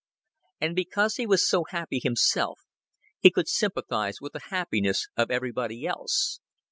And because he was so happy himself, he could sympathize with the happiness of everybody else.